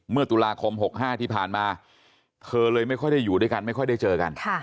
เมื่อตุลาคม๖๕ที่ผ่านมาเธอเลยไม่ค่อยได้อยู่ด้วยกันไม่ค่อยได้เจอกัน